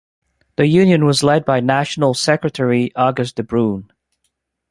The union was led by national secretary August De Bruyne.